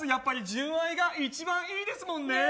純愛系が一番いいですもんね